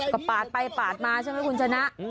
ก็ปาดไปปาดมาใช่ไหมคุณชนะ